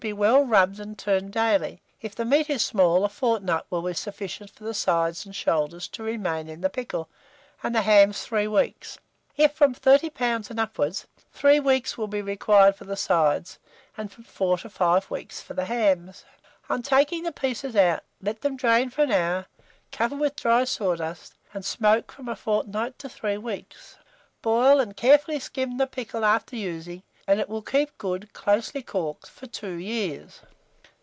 be well rubbed and turned daily; if the meat is small, a fortnight will be sufficient for the sides and shoulders to remain in the pickle, and the hams 3 weeks; if from 30 lbs. and upwards, 3 weeks will be required for the sides, &c., and from 4 to 5 weeks for the hams. On taking the pieces out, let them drain for an hour, cover with dry sawdust, and smoke from a fortnight to 3 weeks. Boil and carefully skim the pickle after using, and it will keep good, closely corked, for 2 years.